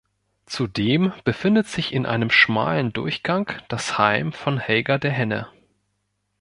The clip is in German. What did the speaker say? Zudem befindet sich in einem schmalen Durchgang das Heim von Helga der Henne.